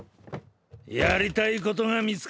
やりたいことが見つかったんだ。